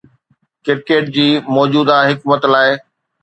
cricket جي موجوده حڪمت لاء